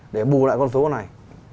để bù lại con số này